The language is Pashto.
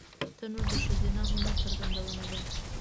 تنور د ښځینه هنر څرګندونه ده